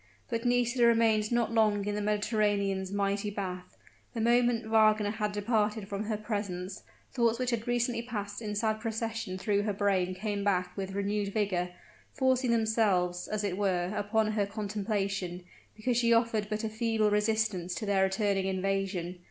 But Nisida remained not long in the Mediterranean's mighty bath; the moment Wagner had departed from her presence, thoughts which had recently passed in sad procession through her brain came back with renewed vigor; forcing themselves, as it were, upon her contemplation, because she offered but a feeble resistance to their returning invasion.